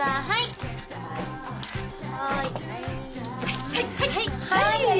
はいはいはい！